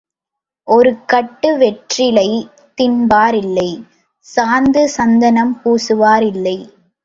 ஒரு கட்டு வெற்றிலை தின்பார் இல்லை, சாந்து சந்தனம் பூசுவார் இல்லை.